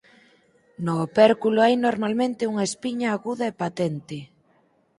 No opérculo hai normalmente unha espiña aguda e patente.